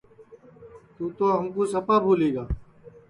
تُوں تو ہمکُو سپا بھولی گا